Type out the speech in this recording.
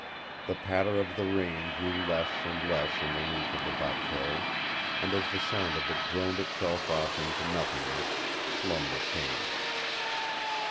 The patter of the rain grew less and less on the roof of the bateau, and as the sound of it droned itself off into nothingness, slumber came.